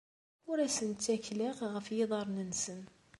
Ur asen-ttakleɣ ɣef yiḍarren-nsen.